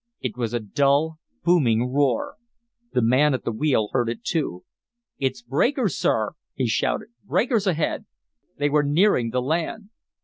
It was a dull, booming roar. The man at the wheel heard it, too. "It's breakers, sir!" he shouted. "Breakers ahead!" They were nearing the land!